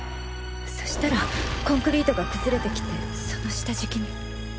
そしたらコンクリートが崩れてきてその下敷きに。